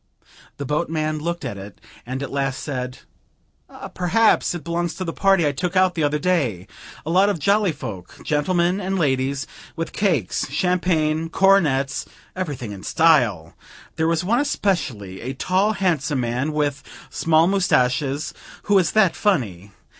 The boatman looked at it, and at last said "Perhaps it belongs to the party I took out the other day. A lot of jolly folk, gentlemen and ladies, with cakes, champagne, cornets everything in style! There was one especially, a tall handsome man with small moustaches, who was that funny!